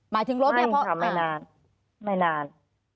ไม่ค่ะไม่นาน